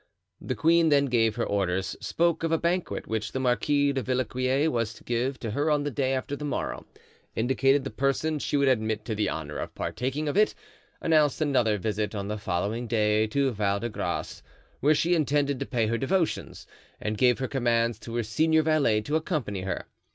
The queen then gave her orders, spoke of a banquet which the Marquis de Villequier was to give to her on the day after the morrow, indicated the persons she would admit to the honor of partaking of it, announced another visit on the following day to Val de Grace, where she intended to pay her devotions, and gave her commands to her senior valet to accompany her.